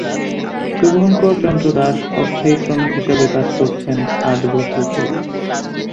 শুভংকর চন্দ্র দাস অস্থায়ী শ্রমিক হিসেবে কাজ করছেন আট বছর ধরে।